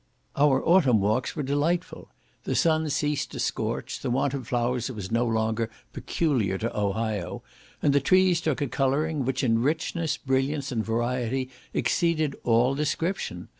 Our autumn walks were delightful; the sun ceased to scorch; the want of flowers was no longer peculiar to Ohio; and the trees took a colouring, which in richness, brilliance, and variety, exceeded all description.